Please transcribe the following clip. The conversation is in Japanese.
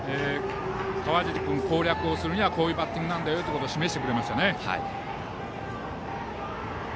川尻君の攻略をするにはこういうバッティングなんだよと示してくれましたね。